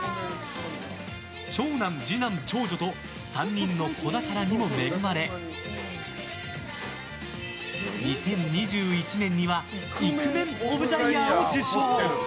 長男、次男、長女と３人の子宝にも恵まれ２０２１年にはイクメンオブザイヤーを受賞。